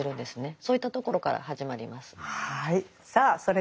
そういったところから始まります。